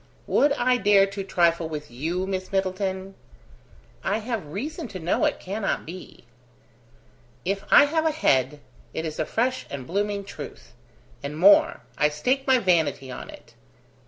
"Would I dare to trifle with you, Miss Middleton?" "I have reason to know it cannot be." "If I have a head, it is a fresh and blooming truth. And more I stake my vanity on it!"